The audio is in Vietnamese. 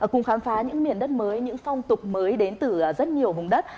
cùng khám phá những miền đất mới những phong tục mới đến từ rất nhiều vùng đất